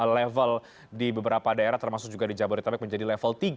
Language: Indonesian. level di beberapa daerah termasuk juga di jabodetabek menjadi level tiga